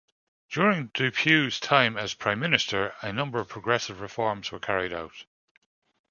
During Dupuy's time as prime minister, a number of progressive reforms were carried out.